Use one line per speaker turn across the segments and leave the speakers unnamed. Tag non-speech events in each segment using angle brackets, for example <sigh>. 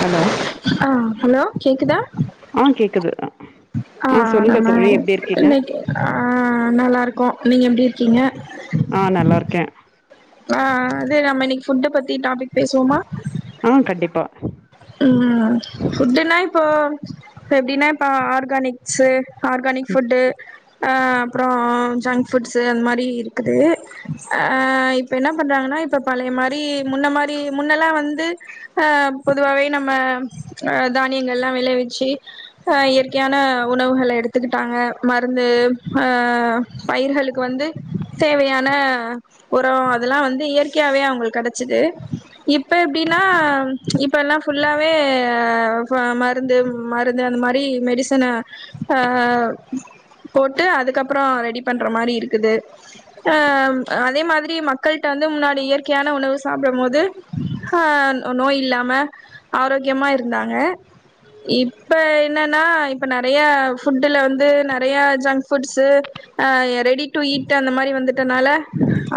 Hello
ஆ hello கேக்குதா
ஆ கேக்குது
ஆ
சொல்லுங்க
நல்லா
தோழி எப்டி இருக்கீங்க
இனைக்கி ஆ நல்லா இருக்கோ நீங்க எப்டி இரு க்கீங்க
ஆ நல்லாருக்கே
ஆ அது தோழி நம்ம இனிக் ஃபுட்ட பத்தி டாபிக்
ஆ கண்டிப்பா
உம் ஃபுட்டுனா இப்போ இப்ப எப்டின்னா ஆர்கானிக்ஸ்சு ஆர்கானிக்
ம்,
ஃபுட்டு ஆ அப்றோ ஜங்க் ஃபுட்ஸ்சு அந்த மாரி இருக்குது ஆ இப்போ என்ன பண்றாங்கன்னா இப்போ பழைய மாரி முன்ன மாரி முன்னெல்லா வந்து ஆம் பொதுவாவே நம்ம தானியங்கள்லா விளைவிச்சு ஆ இயற்கையான உணவுகள எடுத்துக்கிட்டாங்க மருந்து ஆ பயிர்களுக்கு வந்து தேவையான உரோ அதுல்லா வந்து இயற்கையாவே அவுங்களுக் கிடச்சிது இப்ப எப்டின்னா இப் இப்பெல்லா ஃபுல்லாவே <unintelligible> மருந்து மருந்து அந்த மாரி மெடிசன்ன ஆவ் போட்டு அதுக்கப்புறோ ரெடி பண்ற மாரி இருக்குது ஆம் அதே மாரி மக்களுட்ட வந்து முன்னாடி இயற்கையான உணவு சாப்புட போது ஆ நோய் இல்லாம ஆரோக்கியமா இருந்தாங்க இப்ப என்னன்னா இப்ப நறியா ஃபுட்டில வந்து நறையா ஜங்க் ஃபுட்ஸ்சு ஆ ரெடி டு ஈட் அந்த மாரி வந்துட்டனால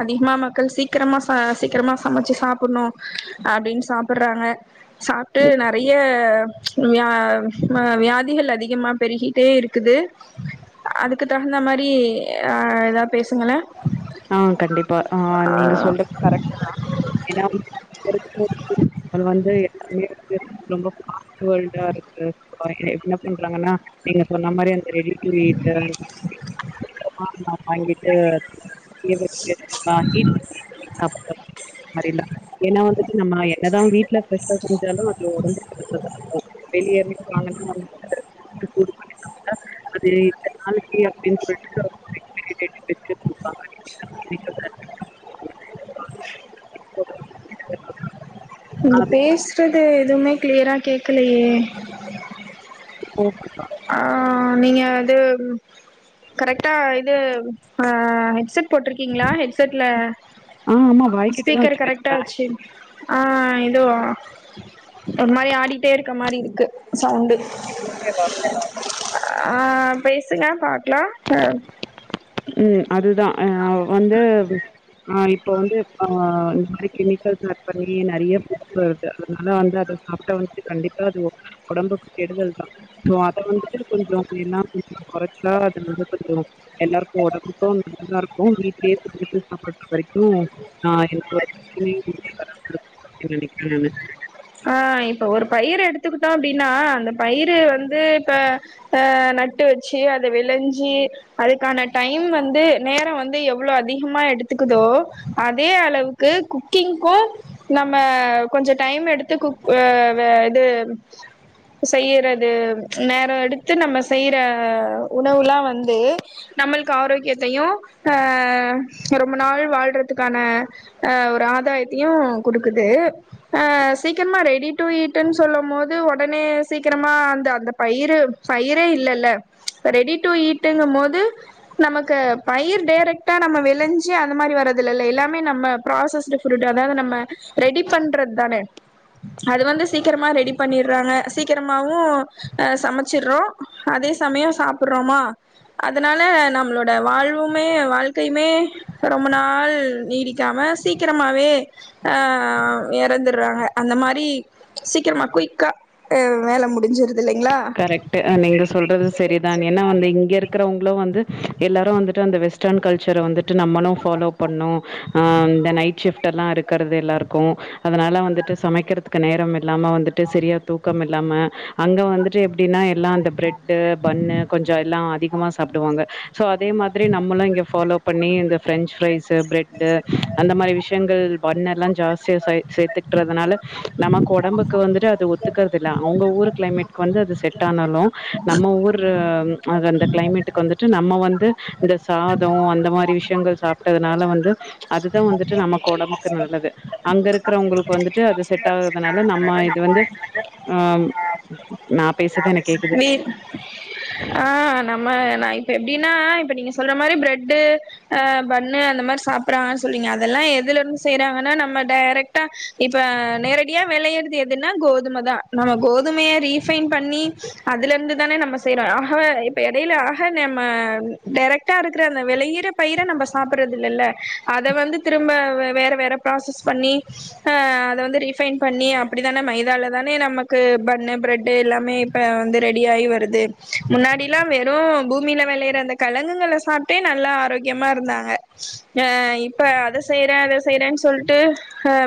அதிகமா மக்கள் சீக்கிரமா ச சீக்கிரமா சமைச்சு சாப்புணு அப்டின் சாப் புறாங்க சாப்புட்டு
ம்.
நிறைய வியா வியாதி விதிகள் அதிகமா பெருகிட்டே இருக்குது அதுக்கு தகுந்த மாரி ஆ எதா பேசுங்களே
ஆ கண்டிப்பா ஆ நீங்க சொல்றது கரெக்ட்டுதா ஏனா <unintelligible> <unintelligible> என்ன பண்றாங்கன்னா நீங்க சொன்ன மாரி ரெடி டு ஈட்டு <inaudible> வாங்கிட்டு <inaudible> வாங்கி <inaudible> அந்தமாரிலா ஏனா வந்துட்டு நம்ம வீட்ல ஸ்பெஷலா <inaudible> <unintelligible> அது இத்தன நாளைக்கு அப்டின்னு சொல்லிட்டு எக்ஸ்பீரி டேட்வச்சி குடுப்பாங்க <inaudible>
நீங்க
அது
பேச்றதே எதுமே கிளியரா கேக்கலயே
ஓகே
ஆ ஆ நீங்க அது கரெக்டா இது ஆ ஹெட் செட் போட்ருக்கீங்களா ஹெட்செட்ல
ஆ ஆமா வாய்க்கிட்ட தான்
ஸ்பீக்கர்
வச்சு
கரெக்டா
பேசுறேன்.
வச்சு ஆ ஏதோ ஒரு மாரி ஆடிக்டே இருக்க மாரி இருக்கு சவுண்டு
ஓகே மா
ஆ பேசுங்க பாக்கலா
ம். அதுதான். அ வந்து ஆ இப்போ வந்து ஆ இந்த மாரி கெமிக்கல் பேக் பண்ணி நெறைய ஃபுட்ஸ் வருது அதனால வந்து அத சாப்ட்டா வந்துட்டு கண்டிப்பா அது ஒடம்புக்கு கெடுதல் தா ஸோ அத வந்துட்டு கொஞ்சோ எல்லா கொஞ்சோ குறைச்சா அது வந்து கொஞ்சோ எல்லாருக்கு ஒடம்புக்கு நல்லாருக்கு வீட்லயே செஞ்சுட்டு சாப்புட்ற வரைக்கு தா எந்த ஒரு பிரச்சனயு வீட்ல வராம இருக்கூனு அப்டி நெனைக்கிறே நானு
ஆஇப்ப ஒரு பயிர எடுத்துக்கிட்டோ அப்டின்னா அந்த பயிரு வந்து இப்ப நட்டு வச்சு அத வெளஞ்ஜி அதுக்கான டைம் வந்து நேரோ வந்து எவ்ளோ அதிகமா எடுத்துக்குதோ அதே அளவுக்கு குக்கிங்க்கு நம்ம கொஞ்ச டைம் எடுத் து குக் ஆ வே இது செய்யறது நேரோ எடுத்து நம்ம செய்ற உணவுலா வந்து நம்மளுக்கு ஆரோக்கியத்தையு அ ரொம்ப நாள் வாழ்றதுக்கான அ ஒரு ஆதாயத்தையு குடுக்குது சீக்ரமா ரெடி டு ஈட்டுன்னு சொல்லும்போது ஒடனே சீக்ரமா அந்த அந்த பயிரு பயிரே இல்லேல ரெடி டு ஈட்டுங்கும்போது நமக்கு பயிர் டேரெக்டா நம்ம வெளஞ்சி அந்த மாரி வர்ரதில்லேல எல்லாமே நம்ம ப்ராசஸ்டு ஃபுட்டு் அதாவது நம்ம ரெடி பண்றது தானே அது வந்து சீக்ரமா ரெடி பண்ணிட்றாங்க சீக்கிரமாவு அ சமச்சிட்றோ அதே சமயோ சாப்பிற்றோமா அதனால நம்மளோட வாழ்வுமே வாழ்க்கையுமே ரொம்ப நாள் நீடிக்காம சீக்கிரமாவே ஆ எறந்துட்றாங்க அந்த மாரி சீக்ரமா குயிக்கா வேல முடிஞ்சிரு
கரெக்டு நீங்க சொல்றது சரிதான் ஏன்னா வந்து இங்க இருக்கறவங்களு வந்து எல்லாரு வந்துட்டு அந்த வெஸ் ஸ்டர்ன் கல்ச்சர வந்துட்டு நம்மளு ஃபாலோ பண்ணு ஆ இந்த நைட் ஷிப்ட்டெல்லா இருக்கிறது எல்லாருக்கு அதனால வந்துட்டு சமக்கிறதுக்கு நேரம் இல்லாம வந்துட்டு சரியா தூக்கம் இல்லாம அங்க வந்து ஃபஸ்டு எப்டினா எல்லா அந்த பிரட்டு ஃபன்னு கொஞ்சோ எல்லா அதிகமா சாப்டுவாங்க ஸோ அதே மாதிரி நம்மளு இங்க ஃபலோ பண்ணி இந்த ஃபிரன்ச்ஃபிரைஸு பிரெட் டு அந்த மாரி விஷயங்கள் பண்ணெல்லா ஜாஸ்தியா சை சேத்துட்க்டறதுனால நமக்கு ஒடம்புக்கு வந்துட்டு அது ஒத்துக்கறது இல்ல அவங்க ஊர் கிளைமேட் வந்து அது செட் ஆனாலு நம்ம ஊர் அந்த கிளைமேட்டுக்கு வந்துட்டு நம்ம வந்து இந்த சாதோ அந்த மாரி விஷயங்கள் சாப்ட்டதுனால வந்து அதுதா வந்து நமக்கு ஒடம்புக்கு நல்லது அங்க இருக்கிறவங்களுக்கு வந்து துட்டு அது செட் ஆகுறதுனால நம்ம இது வந்து ஆ நா பேசறது எனக்கு கேக்குது
நீ ஆ நம்ம நா இப்ப எப்டினா ஆ இப்ப நீங்க சொல்ற மாரி பிரட்டு பன்னு அந்த மாரி சாப்புற்றா சொல்ரிங்க அதெல்லா எதுலருந்து செய்றாங்கன்னா நம்ம டேரெக்டா இப் இப்போ நேரடியா வெளைய்றது எதுனா கோதும தா நம்ம கோதுமய ரீஃபைன் பண்ணி அதுல இருந்து தானே நம்ம செய்றோ ஆ ஹ இப்போ எடைல ஆக நம்ம டேரேக்டா இருக்கிற அந்த விளையிற பயிர நம்ம சாப்பிற்றது இல்லல அத வந்து திரும்ப வேற வேற பிராசஸ் பண்ணி அத வந்து ரீஃபைன் பண்ணி அப்டித்தான மைதால தானே நமக்கு பண்ணு பிரெட்டு் எல்லாமே இப்ப வந்து ரெடி ஆகி வருது முன்னாடில்லா வெறு பூமில வெளையுற அந்த கெலங்குகள சாப்ட்டே நல்லா ஆரோக்யமா இருந்தாங்க ஆ இப்ப அத செய்றே இத செய்றேனு சொல்ட்டு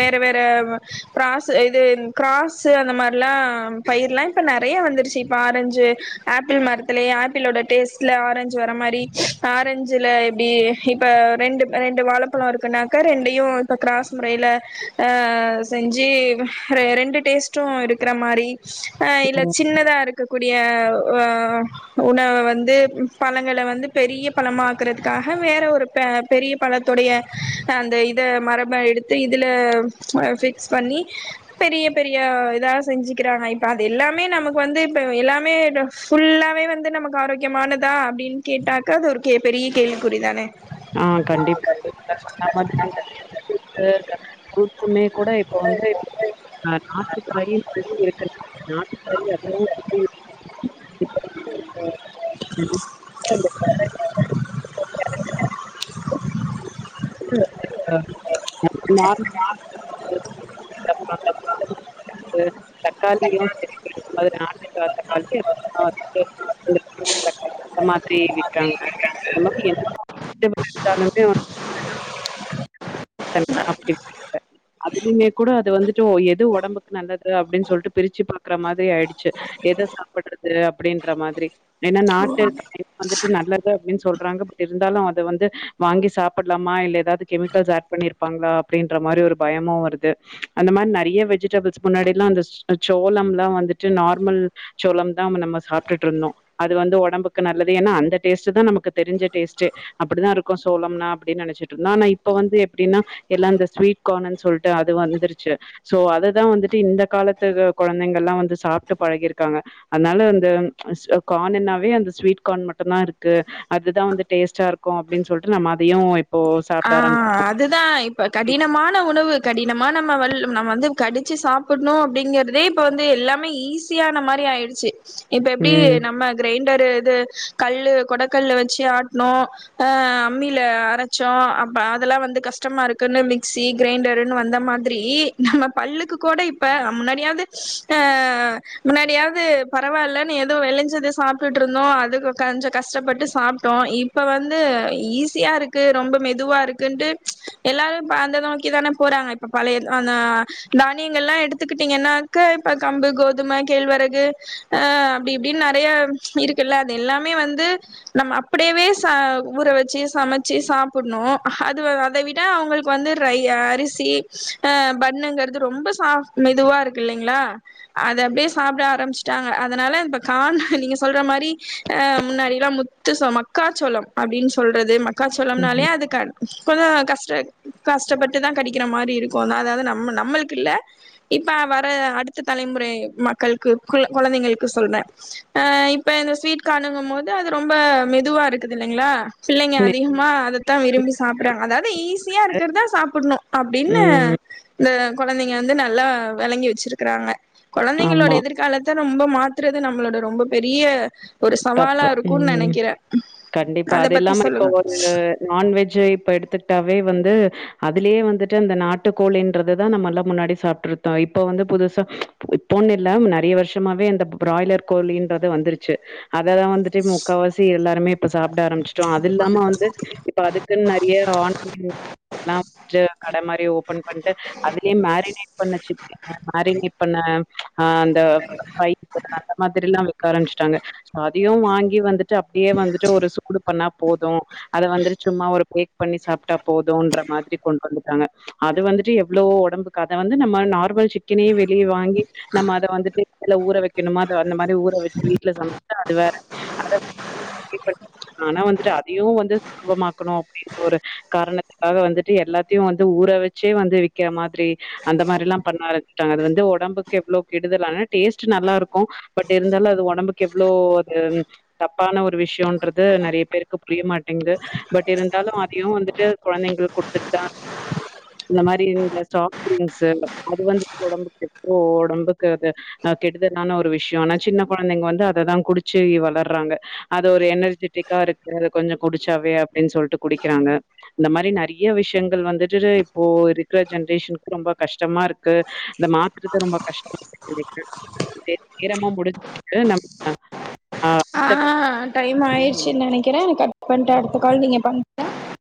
வேற வேற ஆ கிராஸு இது கிராஸு அந்த மாரில்லா பயிருலா இப்ப நெறையா வந்துருச்சு இப்ப ஆரஞ்சு ஆப்பிள் மரத்திலே ஆப்பிளோட டேஸ்ட்ல ஆரஞ்சு வர மாரி ஆரஞ்சுல எப்டி இப்ப ரெண்டு ரெண்டு வாழப்பழோ இருக்குன்னாக்க ரெண்டையு இப்ப கிராஸ் மொறையில ஆ செஞ்சு ர ரெண்டு டேஸ்ட்டு இருக்குற மாரி அ இல்ல
ம்.
சின்னதா இரு இருக்கக்கூடிய ஆ உணவ வந்து பழங்கள வந்து பெரிய பழமாக்குறதுக்காக வேற ஒரு பெ பெரிய பழத்துடைய அந்த இத மரப எடுத்து இதில அ ஃபிக்ஸ் பண்ணி பெரிய பெரிய இதா செஞ்சிக்கிறாங்க இப்ப அது எல்லாமே நமக்கு வந்து இப்ப எல்லாமே ஃபுல்லாவே வந்து நமக்கு ஆரோக்கியமானதா அப்டினு கேட்டாக அது ஒரு பெரிய கேள்விக்குறி தானே
ஆ கண்டிப்பா சொன்ன மாதிரியே <inaudible> இப்பமே கூட இப்ப வந்து அ நாட்டுக்காயி சுத்தி இருக்கு நாட்டுக்காய் அவ்வளோவு சுத்தி <inaudible>
<unintelligible>
<inaudible> நான் தக்காளியு கெடைக்கு இது மாதிரி நாட்டு தக்காளி அது
<inaudible>
அந்ல மாதிரி விக்கறாங்க <inaudible> ஏர்கனவே அதுலியுமே அது வந்துட்டு எது ஒடம்புக்கு நல்லது அப்டின் சொல்ட்டு பிருச்சு பாக்குற மாதிரி ஆயிடுச்சு எத சாப்புடுறது அப்டின்ற மாதிரி ஏன்னா நாட்டுக்காய வந்துட்டு நல்லது அப்டின் சொல்றாங்க பட் இருந்தாலு அத வந்து வாங்கி சாப்டலாமா இல்ல ஏதாவது கெமிக்கல்ஸ் ஏட் பண்ணிருப்பாங்களா அப்டின்ற மாரி ஒரு பயமு வருது அந்த மாரி நறைய வெஜிடபிள்ஸ் முன்னாடில்லா அந்தஸ் சோளம்லா வந்துட்டு நார்மல் சோளம்தா நம்ம சாப்டுட்டு இருந்தோ அது வந்து ஒடம்புக்கு நல்லது ஏன்னா அந்த டேஸ்ட்டுதா நமக்கு தெரிஞ்ச டேஸ்ட்டே அப்படிதா இருக்கு சோளம்னா அப்படின் நெனச்சுட்டு இருந்தோ ஆனா இப்ப வந்து எப்டின்னா எல்லா அந்த ஸ்வீட் கானுன் சொல்ட்டு அது வந்துருச்சு சோ அதுதா வந்துட்டு இந்த காலத்து கொழந்தைங்க எல்லா வந்து சாப்புட்டு பழகிருக்காங்க அதனால அந்து கான் என்னாவே அந்த ஸ்வீட் கான் மட்டுந்தா இருக்கு அதுதா வந்து டேஸ்ட்டா இருக்கு அப்டின் சொல்ட்டு நம்ம அதையு இப்
ஆ அதுதா இப்ப கடினமான் உண்ண உணவு கடினமான ம வல் நம்ம வந்து கடுச்சு சாப்புன்னு அப்டிங்கறதே இப்ப வந்து எல்லாமே ஈஸியான மாரி ஆயிடுச்சு இப்ப எப்டி
ம்
நம்ம கிரைண்டரு து கல்லு கொட கல்லு வெச்சு ஆட்னோ அ அம்மில அரச் சோ அப்ப அதல்லா வந்து கஷ்டமா இருக்குனு மிக்சி கிரைண்டருன் வந்த மாதிரி நம்ம பல்லுக்கு கூட இப்ப முன்னாடியாவது அ முன்னாடியாவது பரவால்லன்னு ஏதோ வெளஞ்சத சாப்புட்டுட்டு இருந்தோ அது கஞ்சோ கஷ்டப்பட்டு சாப்டோ இப்ப வந்து ஈஸியா இருக் கு ரொம்ப மெதுவா இருக்குன்ட்டு எல்லாரு அந்த இத நோக்கி தான போறாங்க இப்ப பழைய அந்த தானியங்கள் எல்லா எடுத்துக்கிட்டீங்கன்னாக்க இப்ப கம்பு கோதும கேழ்வரகு அப்டி இப்டின் நறைய இருக்குல்ல அது எல்லாமே வந்து நம்ம அப்படியவே ச ஊற வெச்சு சமச் சு சாப்புண்ணு அது அத விட அவங்களுக்கு வந்து ரை அரிசி அ பண்ணுங்குறது ரொம்ப சாப் மெதுவா இருக்கு இல்லைங்களா அத அப்டியே சாப்ட ஆரம்பிச்சுட்டாங்க அதனால இப்ப கான் நீங்க சொல்ற மாரி அ முன்னாடியெல்லா முத்துசோம்மா மக்காச்சோளம் அப்டின் சொல்றது மக் மக்காச்சோளம்னாலே
ம்
அது கன் இப்ப தா கஷ்ட கஷ்டப்பட்டுதா கடிக்கிற மாரி இருக்கு அதாவது நம்ம நம்மளுக்கு இல்ல இப்ப வர அடுத்த தலைமுறை மக்கள்க்கு கொழந்தைங்களுக்கு சொல்ற அ இப்ப இந்த ஸ்வீட் கானுங்கும் போது அது ரொம்ப மெதுவா இருக்குது இல்லைங்களா பிள்ளைங்க அது மா அதத்தா விரும்பி சாப்டுறாங்க அதாவது ஈஸியா இருக்குறதா சாப்டுன்னு அப்டின்னு
ம் ம்
இந்த கொழந்தைங்க வந்து நல்லா வெளங்கி வெச்சுருக்குறாங்க கொழந்தைங்களோட
ஆமா
எதிர்காலத்த ரொம்ப மாத்துறது நம்மளோட ரொம்ப பெரிய ஒரு சவாலா
தப்பு
இருக்குன்
ம்
நெனைக்கிற அத பத்தி சொல்லுங்க
இது நான்வெஜ்ஜு இப்ப எடுத்துகிட்டாவே வந் வந்து அதுலயே வந்துட்டு அந்த நாட்டு கோழின்றதுதா நம்ம எல்லா முன்னாடி சாப்டுருக்கோ இப்ப வந்து புதுசா இப்போன் இல்ல நறைய வருஷமாவே அந்த பிராய்லர் கோழின்றது வந்துருச்சு அததா வந்துட்டு முக்கால்வாசி எல்லாருமே இப்ப சாப்புட ஆரம்பிச்சுட்டோம்னன அது இல்லாம வந்து இப்ப அதுக்குன் நறைய ஆன்லைன்லா வந்து கட மாரி ஓப்பன் பண்ணனட்டு அதுலயே மேரினேட் பண்ண சிக்கனு மேரினேட் பண்ண ஆ அந்த ஐ அந்த மாதிரி எல்லா விக்க ஆரம்பிச்சுட்டாங்க அதையு வாங்கி வந்துட்டு அப்டியே வந்துட்டு ஒரு சுக்குடு பண்ணா போது அத வந்துரு சும்மா ஒரு குயிக் பண்ணி சாப்டா போதுன்ற மாரி கொண்டு வந்துருக்காங்க அது வந்துட்டு எவ்ளோ ஒடம்புக்கு அத வந்து நம்ம நார்மல் சிக்கினே வெளிய வாங்கி நம்ம அத வந்துட்டு ஊற வெக்கிணுமா அத இந்த மாரி ஊற வெச்சு வீட்ல சமச் அது வேற அத வந்து <inaudible> ஆனா வந்துட்டு அதையு வந்து சுலபமாக்கணு அப்டிங்குற ஒரு காரணத்துக்காக வந்துட்டு எல்லாத்தையு வந்து ஊற வச்சே வந்து விக்கற மாதிரி அந்த மாரில்லா பண்ண ஆரம்பிச்சிட்டாங்க அது வந்து ஒடம்புக்கு எவ்ளோ கெடுதலான டேஸ்ட்டு நல்லா இருக்கு பட் இருந்தாலு அது ஒடம்புக்கு எவ் இவ்ளோ அது தப்பான ஒரு விஷ்யன்றது நெறைய பேருக்கு புரிய மாட்டேங்குது பட் இருந்தாலு அதையு வந்துட்டு கொழந்தைங்களுக்கு குடுத்துட்தா <inaudible> இந்த மாரி இந்த ஸ்டாக் ஃப்ரியன்ஸ் அது வந்து குடுத்தா ஒடம்புக்கு கெட்ரு ஒடம்புக்கு அது கெடுதலான ஒரு விஷ்யோ ஆனா சின்ன கொழந்தைங்க வந்து அத அததா குடிச்சு வளர்றாங்க. அது ஒரு எனர்ஜெட்டிக்கா இருக்கு அத கொஞ்ச குடிச்சாவே அப்டின்னு சொல்ட்டு குடிக்கிறாங்க. இந்த மாரி நெறைய விஷயங்கள் வந்துட்டு இப்போ இருக்கிற ஜென்ரேஷனுக்கு ரொம்ப கஷ்டமா இருக்கு அத மாத்துறது ரொம்ப கஷ்டமா <inaudible> நேரமா முடிஞ்சு நம் அ
ஆ டைம் ஆயிடுச்சுன்னு நெனைக்கிறே நீங்க கட் பண்ட்டு அடுத்த கால் நீங்க பண் <inaudible>